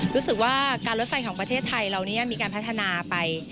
รู้สึกว่าการรถไฟของประเทศไทยเรามีการพัฒนาไป